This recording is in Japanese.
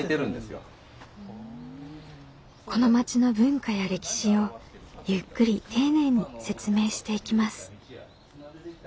この町の文化や歴史をゆっくり丁寧に説明していきます。